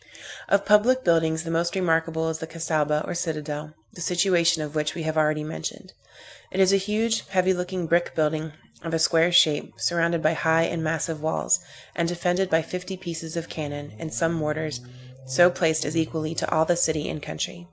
Of public buildings, the most remarkable is the Cassaubah, or citadel, the situation of which we have already mentioned. It is a huge, heavy looking brick building, of a square shape, surrounded by high and massive walls, and defended by fifty pieces of cannon, and some mortars, so placed as equally to awe the city and country.